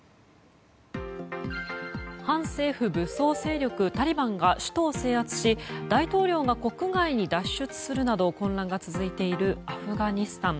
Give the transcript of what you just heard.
反政府武装勢力タリバンが首都を制圧し大統領が国外に脱出するなど混乱が続いているアフガニスタン。